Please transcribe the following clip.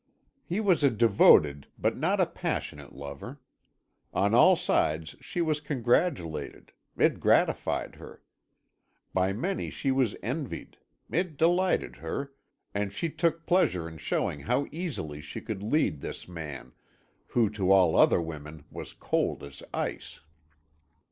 He was a devoted but not a passionate lover. On all sides she was congratulated it gratified her. By many she was envied it delighted her; and she took pleasure in showing how easily she could lead this man, who to all other women was cold as ice.